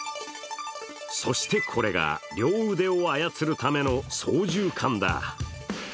そしてこれが両腕を操るための操縦かんだ。